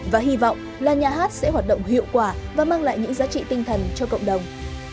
và hy vọng là nhà hát sẽ hoạt động hiệu quả và mang lại những giá trị tinh thần cho cộng đồng